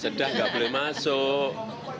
sedang gak boleh masuk